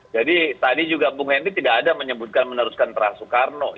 jadi tadi juga bung henry tidak ada menyebutkan meneruskan terah soekarno